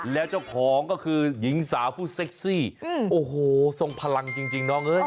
แล้วเจ้าของก็คือหญิงสาวผู้เซ็กซี่โอ้โหทรงพลังจริงน้องเอ้ย